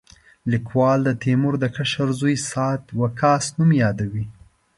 لیکوال د تیمور د کشر زوی سعد وقاص نوم یادوي.